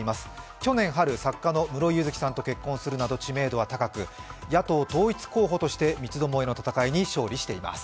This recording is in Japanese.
去年春、作家の室井佑月さんと結婚するなど知名度は高く野党統一候補として三つどもえの戦いに勝利しています。